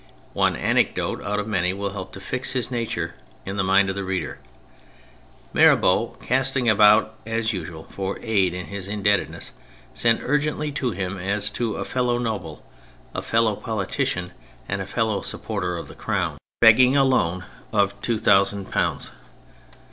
One anecdote out of many will help to fix his nature in the mind of the reader. Mirabeau, casting about as usual for aid in his indebtedness, sent urgently to hini as to a fellow noble, a fellow politician and a fellow supporter of the Crown, begging i THE CHARACTERS 65 a loan of £2000.